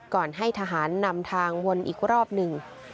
ก่อนให้ทหารนำทางวนอีกรอบหนึ่ง